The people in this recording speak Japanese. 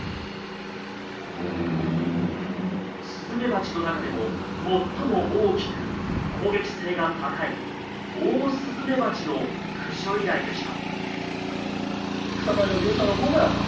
スズメバチの中でも最も大きく攻撃性が高いオオスズメバチの駆除依頼でした。